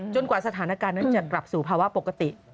กว่าสถานการณ์นั้นจะกลับสู่ภาวะปกติ